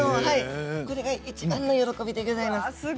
これがいちばん喜びでございます。